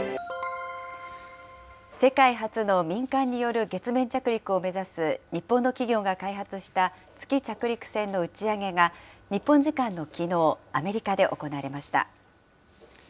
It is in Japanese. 世界初の民間による月面着陸を目指す日本の企業が開発した月着陸船の打ち上げが、日本時間のきのう、アメリカで行われました。